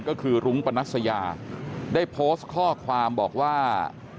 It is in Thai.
ก็คือรุ้งปนัสยาได้โพสต์ข้อความบอกว่า